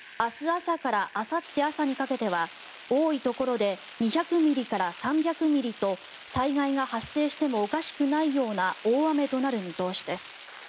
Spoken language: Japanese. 朝からあさって朝にかけては多いところで２００ミリから３００ミリと災害が発生してもおかしくないような大雨となる見通しです。